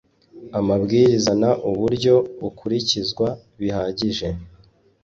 amabwiriza n uburyo bukurikizwa bihagije